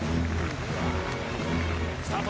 スタート。